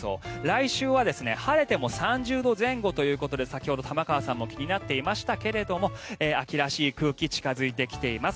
来週は晴れても３０度前後ということで先ほど、玉川さんも気になっていましたけれども秋らしい空気近付いてきています。